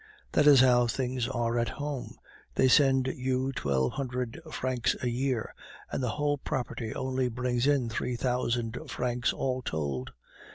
"That is how things are at home. They send you twelve hundred francs a year, and the whole property only brings in three thousand francs all told.